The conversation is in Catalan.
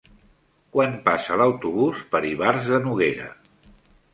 Quan passa l'autobús per Ivars de Noguera?